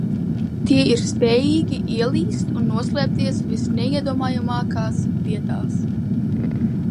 Tie ir spējīgi ielīst un noslēpties visneiedomājamākās vietās.